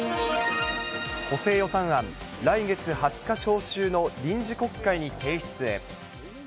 補正予算案、来月２０日召集の臨時国会に提出へ。